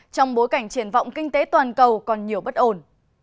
trong bối cảnh triển vọng kinh tế toàn cầu còn nhiều bất ổn